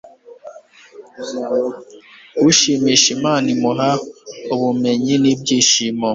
ushimisha imana, imuha ubumenyi n'ibyishimo